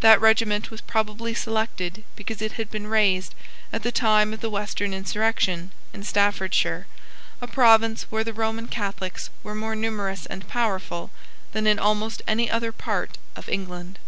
That regiment was probably selected because it had been raised, at the time of the Western insurrection, in Staffordshire, a province where the Roman Catholics were more numerous and powerful than in almost any other part of England.